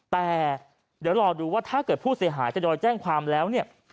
แต่เดี๋ยวรอดูว่าถ้าเกิดผู้เสียหายทยอยแจ้งความแล้วเนี่ย